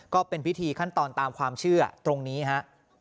ก็เป็นพิธีขั้นตอนตามความเชื่อตรงนี้ฮะ